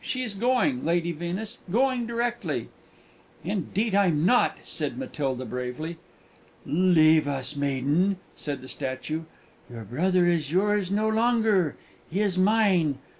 She's going, Lady Venus, going directly!" "Indeed I'm not," said Matilda, bravely. "Leave us, maiden!" said the statue. "Your brother is yours no longer, he is mine.